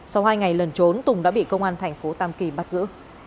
sau hai ngày lần trốn tùng đã bị công an thành phố tam kỳ bắt giữ